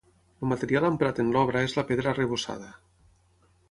El material emprat en l'obra és la pedra arrebossada.